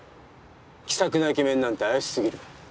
気さくなイケメンなんて怪し過ぎる。